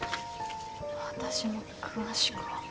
私も詳しくは。